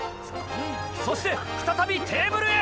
そして再びテーブルへ！